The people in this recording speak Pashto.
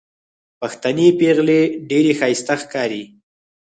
پښتنې پېغلې ډېرې ښايستې ښکاري